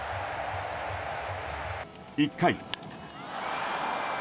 １回。